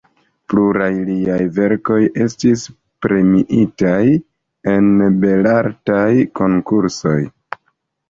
Pluraj liaj verkoj estis premiitaj en Belartaj Konkursoj.